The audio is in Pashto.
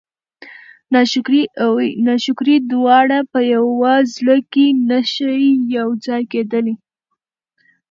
ناشکري دواړه په یوه زړه کې نه شي یو ځای کېدلی.